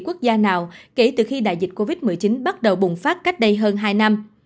quốc gia nào kể từ khi đại dịch covid một mươi chín bắt đầu bùng phát cách đây hơn hai năm